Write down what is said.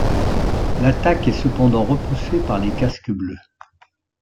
L'attaque est cependant repoussée par les casques bleus.